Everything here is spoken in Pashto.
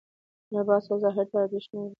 لباس او ظاهر ته ارزښت نه ورکوي